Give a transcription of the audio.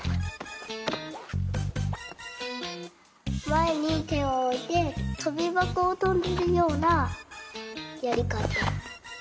まえにてをおいてとびばこをとんでるようなやりかた。